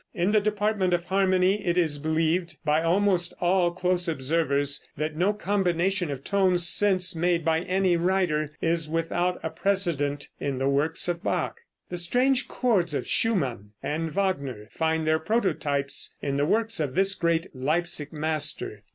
In the department of harmony, it is believed by almost all close observers that no combination of tones since made by any writer is without a precedent in the works of Bach; the strange chords of Schumann and Wagner find their prototypes in the works of this great Leipsic master.